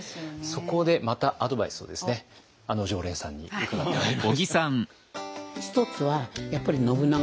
そこでまたアドバイスをですねあの常連さんに伺ってまいりました。